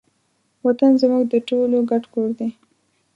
وطن زموږ د ټولو ګډ کور دی.